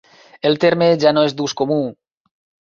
El terme ja no és d'ús comú.